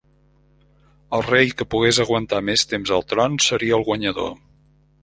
El rei que pogués aguantar més temps al tron seria el guanyador.